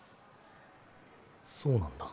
そうなんだ。